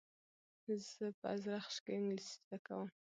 زه په ازرخش کښي انګلېسي زده کوم.